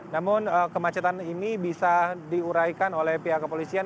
namun kemacetan ini bisa diuraikan oleh pihak kepolisian